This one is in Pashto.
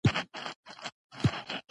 زه دې کار اجازه نه درکوم.